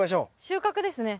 収穫ですね。